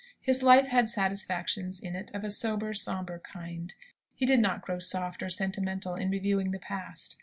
His life had satisfactions in it of a sober, sombre kind. He did not grow soft or sentimental in reviewing the past.